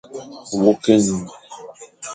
Wôkh ényum.